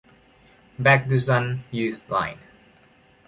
Baekdusan Youth Line